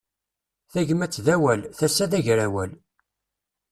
Tagmat d awal, tasa d agrawal.